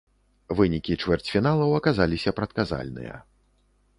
Вынікі чвэрцьфіналаў аказаліся прадказальныя.